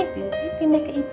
dia pindah ke itu